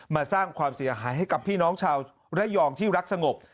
มาสร้างความเสียหายให้กับพี่น้องชาวระยองที่รักสงบ